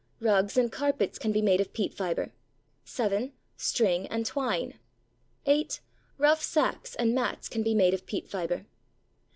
Rugs and carpets can be made of peat fibre. 7. String and twine. 8. Rough sacks and mats can be made of peat fibre.